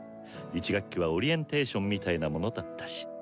１学期はオリエンテーションみたいなものだったし。